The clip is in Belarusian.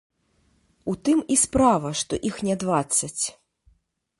У тым і справа, што іх не дваццаць.